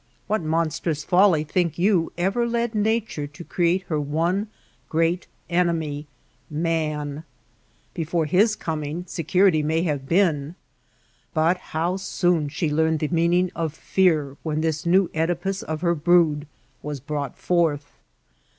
What monstrous folly, think you, ever led Nature to create her one great enemy — man ! Before his coming security may have been ; but how soon she learned the meaning of fear when this new (Edipus of her brood was brought forth